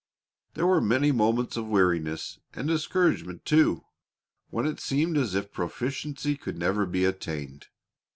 There were many moments of weariness and discouragement, too, when it seemed as if proficiency could never be attained.